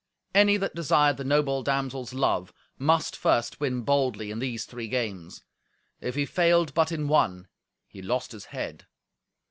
Any that desired the noble damsel's love must first win boldly in these three games. If he failed but in one, he lost his head.